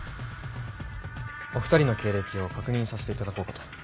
お二人の経歴を確認させていただこうかと。